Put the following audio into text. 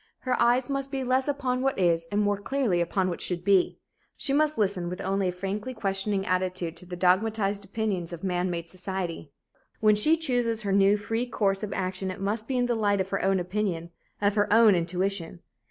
Her eyes must be less upon what is and more clearly upon what should be. She must listen only with a frankly questioning attitude to the dogmatized opinions of man made society. When she chooses her new, free course of action, it must be in the light of her own opinion of her own intuition.